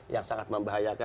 yang sangat membahayakan